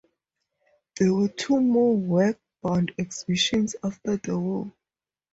There were two more Werkbund Exhibitions after the war.